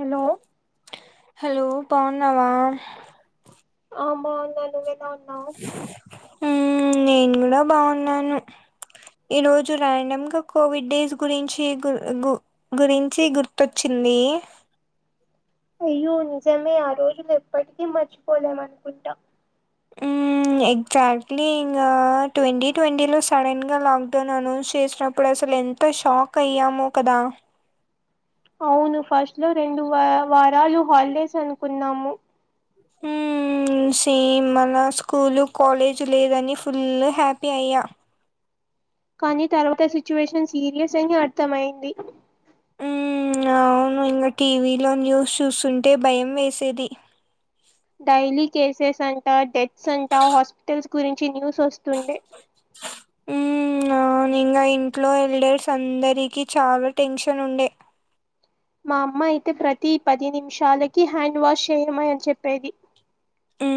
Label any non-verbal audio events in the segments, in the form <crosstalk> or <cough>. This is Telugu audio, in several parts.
హేలో హలో బావున్నావా ఆ బావున్న నువ్వెలా ఉన్నావ్ ఊ నేను గూడా బావున్నాను ఈరోజు ర్యాండమ్ గా కోవిడ్ డేస్ గురించి గుర్ గు గురించి గుర్తొచ్చింది అయ్యో నిజమే ఆ రోజు ఎప్పటికీ మర్చిపోలేం అనుకుంటా మ్మ్ ఎగ్జాక్ట్లీ ఇంగ ట్వంటీ ట్వంటీలో సడన్గా లాక్డౌన్ అనౌన్స్ చేసినప్పుడు అసలు ఎంత ఎంత షాక్ అయ్యామో కదా అవును ఫస్ట్ లో రెండు వ వారాలు హాలిడేస్ అనుకున్నాము. ఊ సేమ్ మన స్కూలు కాలేజ్ లేదని ఫుల్ హ్యాపీ అయ్యా కానీ తర్వాత సిచ్యువేషన్ సీరియస్ అయ్యి అర్థమైంది. ఉ అవును ఇంకా టీవీలో న్యూస్ చూస్తుంటే భయం వేసేది డైలీ కేసెస్ అంటా డెత్స్ అంటా హాస్పిటల్స్ గురించి న్యూస్ వస్తు ఊ ఆ ఇంగా ఇంట్లో ఓల్డర్స్ అందరికీ చాలా టెన్షన్ ఉండే మా అమ్మ అయితే ప్రతి పది నిమిషాలకి హ్యాండ్ వాష్ చేయమాని చెప్పేది ఉ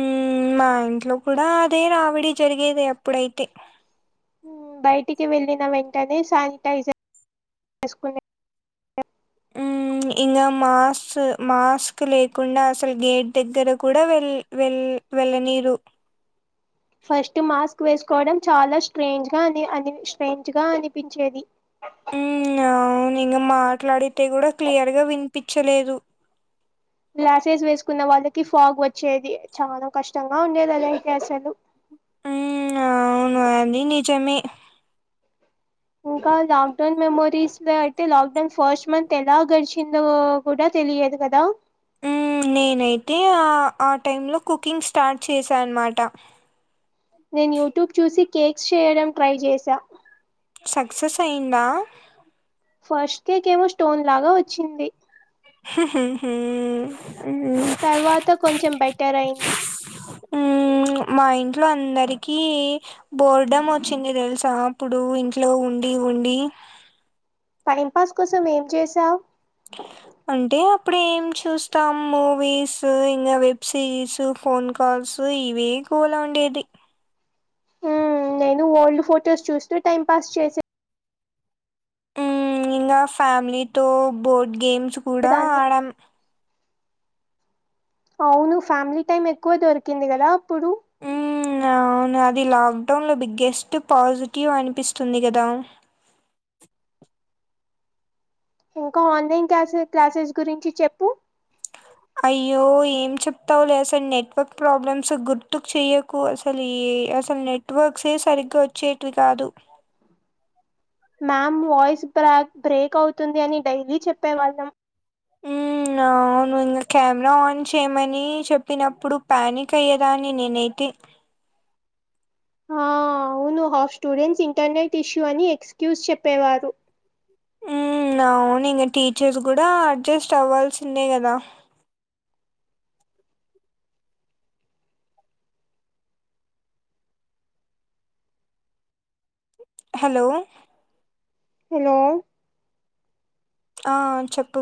మా ఇంట్లో కూడా అదే రావిడి జరిగేది అప్పుడైతే బయటికి వెళ్ళిన వెంటనే శానిటైజర్ వేసుకొని ఇంకా మాస్ మాస్క్ లేకుండా అసలు గేట్ దగ్గర కూడా వెల్ వెల్ వెళ్ళ నీరు ఫస్ట్ మాస్క్ వేసుకోవడం చాలా స్ట్రేంజ్గా అని అ స్ట్రేంజ్ గా అనిపించేది ఉ అవును ఇంగ మాట్లాడితే కూడా క్లియర్గా వినిపించలేదు గ్లాసెస్ వేసుకున్న వాళ్ళకి ఫాగ్ వచ్చేది చాలా కష్టంగా ఉండేది అలా అయితే అసలు ఉ అవును అని నిజమే ఇంకా లాక్ డౌన్ మెమోరీస్ లో అయితే లాక్డౌన్ ఫస్ట్ మంత్ ఎలా గడిచిందో కూడా తెలియదు కదా మ్మ్ నేనైతే ఆ ఆ టైంలో కుకింగ్ స్టార్ట్ చేశాను అనమాట నేను యూట్యూబ్ చూసి కేక్స్ చేయడం ట్రై చేసా సక్సెస్ అయిందా ఫస్ట్ కేేక్ ఏమో స్టోన్ లాగా వచ్చింది ఉహు ఉహు ఉ ఉ తర్వాత కొంచెం బెటర్ అయింది ఉ మా ఇంట్లో అందరికి బోర్ డమ్ వచ్చింది తెలుసా అప్పుడు ఇంట్లో ఉండి ఉండి టైంపాస్ కోసం ఏం చేసావ్ అంటే అప్పుడు ఏం చూస్తాం మూవీస్ ఇంగ వెబ్ సిరీస్ ఫోన్ కాల్స్ ఇవే గోలా ఉండేది మ్మ్ నేను ఓల్డ్ ఫోటోస్ చూస్తూ టైం పాస్ చేసే ఇంగ ఫ్యామిలీతో బోర్డ్ గేమ్స్ కూడా చేసేదాన్ని ఆడాం అవును ఫ్యామిలీ టైమ్ ఎక్కువ దొరికింది గదా అప్పుడు ఉ అవును అది లాక్డౌన్లో బిగ్గెస్ట్ పాజిటివ్ అనిపిస్తుంది కదా ఇంక ఆన్లైన్ క్లాసె క్లాసెస్ గురించి చెప్పు అయ్యో ఏం చెప్తావు లే అసలు నెట్వర్క్ ప్రాబ్లమ్స్ గుర్తుకు చెయ్య కు అసలు ఈ అసలు నెట్వర్క్స్ ఎ సరిగ్గా వచ్చేటివి కాదు మ్యామ్ వాయిస్ బ్రాక్ బ్రేక్ అవుతుంది అని డైలీ చెప్పేవాళ్ళం నా అవును ఇంగ కెమెరా ఆన్ చేయమని చెప్పినప్పుడు ప్యానిక్ అయ్యేదాన్ని నేను అయితే ఆ అవును హఫ్ స్టూడెంట్స్ ఇంటర్నెట్ ఇష్యూ అని ఎక్స్క్యూజ్ చెప్పేవారు ఉమ్ అవును ఇంకా టీచర్స్ కూడా అడ్జస్ట్ అవ్వాల్సిందే గదా హలో హలో ఆ చెప్పు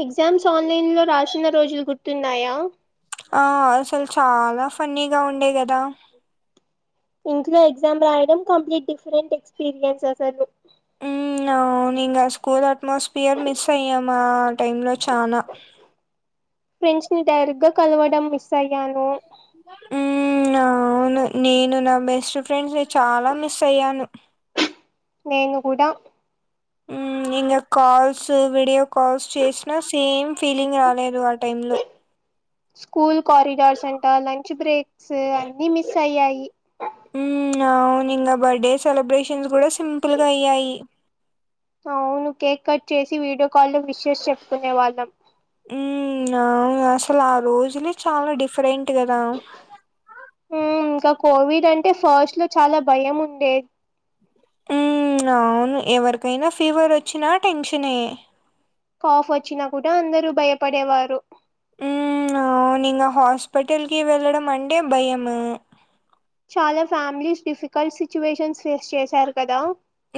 ఎగ్జామ్స్ ఆన్లైన్ లో రాసిన రోజులు గుర్తున్నాయా ఆ అసలు చాలా ఫన్నీగా ఉండే కదా ఇంట్లో ఎగ్జామ్ రాయడం కంప్లీట్ డిఫరెంట్ ఎక్స్పీరియన్స్ అసలు ఉమ్ అవును ఇంగా స్కూల్ అట్మాస్ఫియర్ మిస్ అయ్యాం ఆ టైమ్ లో చానా ఫ్రెండ్స్ ని డైరెక్టుగా కలవడం మిస్ అయ్యాను ఉమ్ అవును నేను నా బెస్ట్ ఫ్రెండ్స్ చాలా మిస్ అయ్యాను నేను కూడా ఉమ్ ఇంగ కాల్స్ వీడియో కాల్స్ చేసినా సేమ్ ఫీలింగ్ రాలేదు ఆ టైమ్ లో స్కూల్ కారిడార్స్ అంట లంచ్ బ్రేక్స్ అన్ని మిస్ అయ్యాయి అవును ఇంగ బర్త్డే సెలబ్రేషన్స్ కూడా సింపుల్గా అయ్యాయి అవును కేక్ కట్ చేసి వీడియో కాల్ లో విషస్ చెప్పుకునే వాళ్ళం ఉమ్ అవును అసలు ఆ రోజులే చాలా డిఫరెంట్ కదా ఉమ్ ఇంకా కోవిడ్ అంటే ఫస్ట్ లో చాలా భయం ఉండే ఉమ్ అవును ఎవరికైనా ఫీవర్ వచ్చినా టెన్షనే కాఫ్ వచ్చినా కూడా అందరు భయపడేవారు ఉమ్ అవును ఇంగా హాస్పిటల్కి వెళ్ళడం అంటే భయము చాలా ఫ్యామిలీస్ డిఫికల్ట్ సిచ్యువేషన్స్ ఫేస్ చేశారు కదా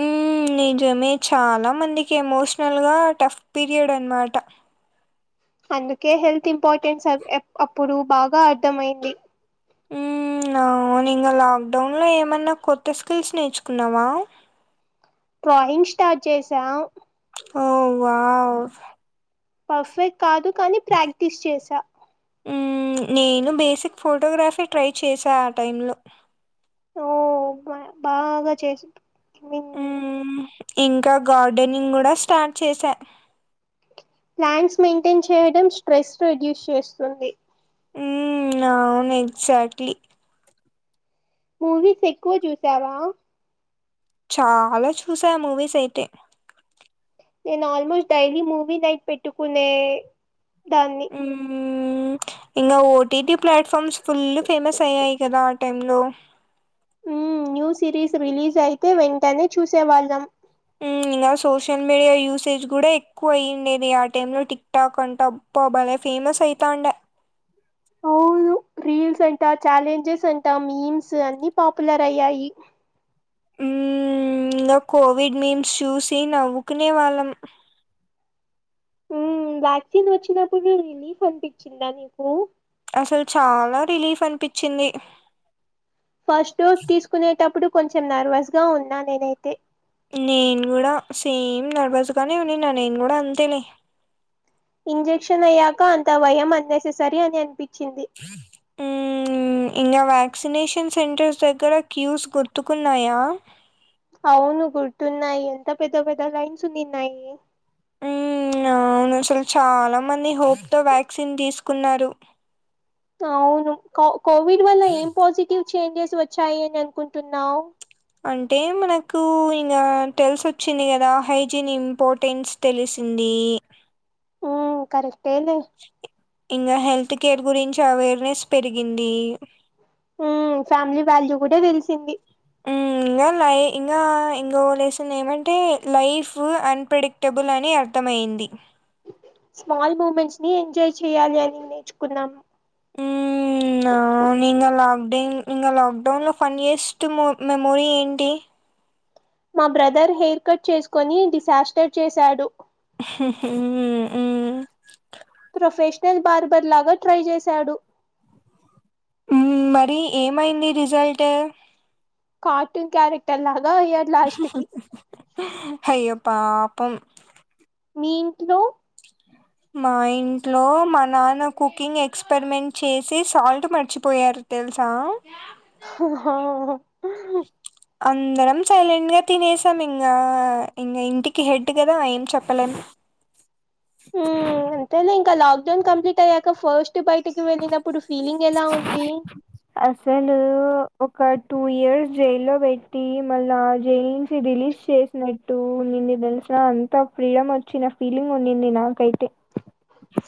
ఉమ్ నీజమే చాలా మందికి ఎమోషనల్గా టఫ్ పీరియడ్ అనమాట అందుకే హెల్త్ ఇంపార్టెన్స్ ఆ ఏ అప్పుడు బాగా అర్థం అయింది ఉమ్ అవును ఇంగా లాక్డౌన్లో ఏమైన్నా కొత్త స్కిల్స్ నేర్చుకున్నావా? డ్రాయింగ్ స్టార్ట్ చేసాం ఓ వావ్ పర్ఫెక్ట్ కాదు కానీ ప్రాక్టీస్ చేసా ఉమ్ నేను బేసిక్ ఫోటోగ్రఫీ ట్రై చేశా ఆ టైంలో ఓ బ బాగా చేసి <inaudible> మిన్ ఇంకా గార్డెనింగ్ కూడా స్టార్ట్ చేసా ప్లాంట్స్ మెయింటైన్ చేయడం స్ట్రెస్ రిడ్యూస్ చేస్తుంది అవును ఎగ్జాక్ట్లీ మూవీస్ ఎక్కువ చూసావా చాలా చూసా మూవీస్ అయితే నేను ఆల్మోస్ట్ డైలీ మూవీ నైట్ పెట్టుకునే దాన్ని ఉమ్ ఇంకా ఓటీటి ప్లాట్ఫామ్స్ ఫుల్ ఫేమస్ అయ్యాయి కదా ఆ టైం లో ఉమ్ న్యూ సిరీస్ రిలీజ్ అయితే వెంటనే చూసేవాళ్ళం ఉమ్ ఇంకా సోషల్ మీడియా యూసేజ్ కూడా ఎక్కువ అయ్యింది ఇది ఆ టైం లో టిక్ డ కంటబ్ప్ బలే ఫేమస్ అయితాండె అవును రీల్స్ అంట ఛాలెంజెస్ అంటా మీమ్స్ అన్ని పాపులర్ అయ్యాయి ఇంగా కోవిడ్ మేమ్స్ చూసి నవ్వుకునే వాళ్ళం ఉమ్ వ్యాక్సిన్ వచ్చినప్పుడు రిలీఫ్ అనిపించిందా నీకు అసలు చాలా రిలీఫ్ అనిపించింది ఫస్ట్ డోస్ తీసుకునేటప్పుడు కొంచెం నర్వస్ గా ఉన్నా నేనైతే నేను కూడా సేమ్ నర్వస్ గానే ఉన్ని నా నేను గూడా అంతేలే ఇంజెక్షన్ అయ్యాక అంత భయం అన్నెస్సెసరీ అని అన్పించింది ఊమ్ ఊమ్ ఇంగ వ్యాక్సినేషన్ సెంటర్స్ దగ్గర క్యూస్ గుర్తుకున్నాయా అవును గుర్తున్నాయ్ ఎంత పెద్ద పెద్ద లైన్స్ ఉన్నీన్నయ్ ఊమ్ అవును అసల్ చాలా మంది హోప్ తో వ్యాక్సిన్ జేస్కున్నారు అవును కవ్ కోవిడ్ వే పాజిటివ్ చేంజెస్ వచ్చాయి అని అన్ కుంటున్నావ్ అంటే మనకు ఇంగా తెల్సొచ్చింది గదా హైజిన్ ఇంపోర్టెన్స్ తెలిసింది ఉమ్ కరెక్టే లే ఇంగ హెల్త్ కేర్ గురించి అవేర్నెస్ పెరిగింది ఊమ్ ఫ్యామిలీ వాల్యూ గూడ దెల్సింది ఇంగ లై ఇంగా ఇంగో లేశన్ ఏమంటే లైఫ్ అన్పెడిక్ టెబుల్ అని అర్థమైంది స్మాల్ మూమెంట్స్ని ఎంజాయ్ చేయాలి అని నేర్చుకున్నాం ఊ ఇంగ లాక్డౌన్ ఇంగా లాక్డౌన్లో ఫన్నియెస్ట్ మెమోరీ ఏంటి మా బ్రదర్ హెయిర్ కట్ చేస్కొని డిసాస్టర్ చేశాడు ఉ ఉ ప్రొఫెశ్నల్ బార్బర్ లాగ ట్రై చేశాడు ఊమ్ మరి ఏమైంది రిజల్ట్ కార్టూన్ క్యారెక్టర్ లాగ అయ్యా హయ్యో పాపం మీ ఇంట్లో మా ఇంట్లో మా నాన్న కుకింగ్ ఎక్స్పెరిమెంట్ చేసి సాల్ట్ మర్చిపోయారు తెల్సా హొ హో అందరం సైలెంట్గ తినేసాం ఇంగ ఇంటికి హెడ్ కదా ఏం చెప్పలేం హుమ్ అంతేలే ఇంక లాక్ డౌన్ కంప్లీట్ అయ్యాక ఫాస్ట్ బైటికి వెళ్ళినప్పుడు ఫీలింగ్ ఎలా ఉంది అసలు ఒక టూ ఇయర్స్ జైల్లో పెట్టి మళ్ళా జైల్ నుంచి రిలీజ్ చేస్ నట్టు ఉన్నింది దెల్సా అంత ఫ్రీడమ్ వచ్చిన ఫీలింగ్ ఉండింది నాకైతే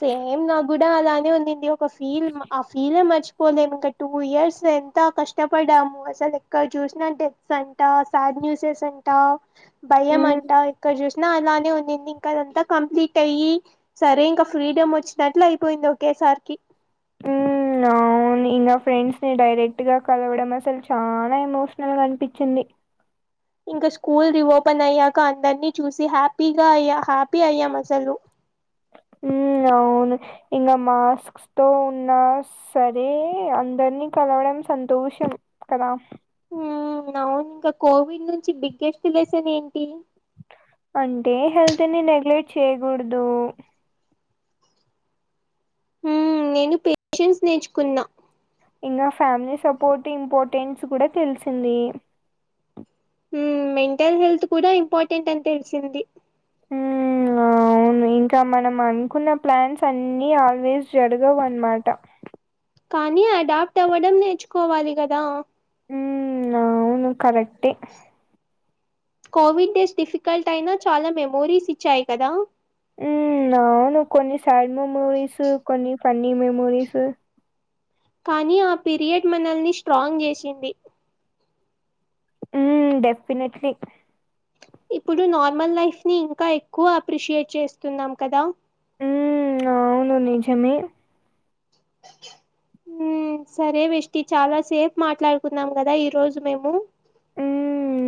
సేమ్ నా గూడ అలానే ఉండింది ఒక ఫీల్ ఆ ఫీలే మర్చిపోలేము ఇంక టూ ఇయర్స్ ఎంత కష్టపడ్డాము అసలెక్కడ జూస్నా డెత్స్ అంటా సాడ్ న్యూసెస్ అంట్ టా భయం మ్మ్ అంట ఎక్కడ జూసినా అలానే ఉన్నింది ఇంక అదంతా కంప్లీట్ అయ్యి సరే ఇంకా ఫ్రీడమ్ వచ్చినట్లు అయిపోయింది ఒకేసార్కి ఉమ్మ్ అవ్ అవున్ ఇంగ ఫ్రెండ్స్ ని డైరెక్ట్ గా కలవడం అసల్ చాల ఎమోషనల్గా అనిపిచ్చింది ఇంకా స్కూల్ రిఓపెన్ అయ్యాక అందర్ని చూసి హాప్పీగ అయ్యా హాప్పీ అయ్యాం అసలు ఊమ్ అవును ఇంగ మాస్క్ స్క్ తో ఉన్నా సరే అందర్నీ కలవడం సంతోషం కదా హుమ్ అవును ఇంక కోవిడ్ నుంచి బిగ్గెస్ట్ లెస్సన్ ఏంటి అంటే హెల్త్ ని నెగ్లెక్ట్ చేయగూడదు హుమ్ నేను పేషెన్స్ నేర్చుకున్నా ఇంగ ఫ్యామ్లీ సపోర్ట్ ఇంపార్టెన్స్ గూడ తెల్సింది హుమ్ మెంటల్ హెల్త్ కూడ ఇంపార్టెంట్ అని తెల్సింది <inaudible> ఔను ఇంక మనం అనుకున్న ప్లాన్స్ అన్నీ ఆల్వేస్ జరగవు అన్మాట. కానీ అడాప్ట్ అవ్వడం నేర్చుకోవాలి గదా. ఊ అవును కరెక్టే. కోవిడ్ డెస్ట్ డిఫికల్ట్ అయినా చాలా మెమోరీస్ ఇచ్చాయి కదా. ఉమ్మ్ ఔను కొన్ని సాడ్ మెమోరీసు కొన్ని ఫన్నీ మెమోరీసు. కానీ ఆ పిరియడ్ మనల్ని స్ట్రాంగ్ జేశింది. ఊ డెఫ్ఫినెట్లీ ఇప్పుడు నార్మల్ లైఫ్ ని ఇంకా ఎక్కువ అప్రిషియేట్ చేస్తున్నాం కదా. ఊ అవును నిజమే ఊ సరే వెష్టీ చాలా సేప్ మాట్లాడుకున్నాం గదా ఈ రోజు మేము.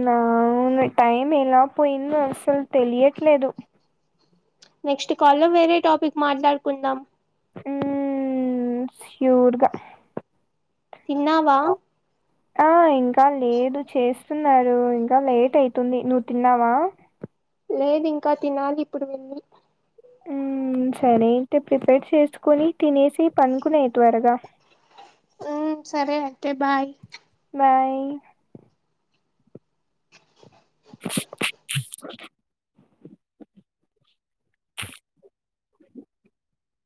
ను ఆవునువే టైం ఎలా పోయిందో అస్సల్ తెలియట్లేదు. నెక్స్ట్ కాల్లో వేరే టాపిక్ మాట్లాడుకుందాం. ఉమ్మ్ శ్యూర్గా తిన్నావా ఆ ఇంకా లేదు చేస్తున్నారు ఇంకా లేట్ అయితుంది నువ్ తిన్నావా. లేదు ఇంకా తినాలి ఇప్పుడు వెళ్ళి. ఊ సరే అయ్తే ప్రిపేర్ చేసుకొని తినేశి పన్కున్నెయ్ త్వరగా. ఉమ్ సరే అయితే బాయ్ బాయ్ <inaudible> <inaudible>